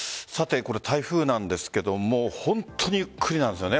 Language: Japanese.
台風なんですが本当にゆっくりなんですね